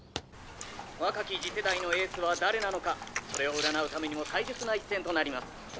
若き次世代のエースは誰なのかそれを占うためにも大切な一戦となります。